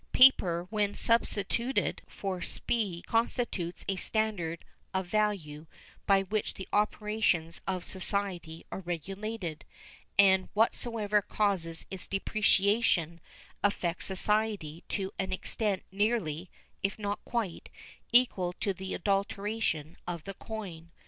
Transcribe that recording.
Paper when substituted for specie constitutes a standard of value by which the operations of society are regulated, and whatsoever causes its depreciation affects society to an extent nearly, if not quite, equal to the adulteration of the coin.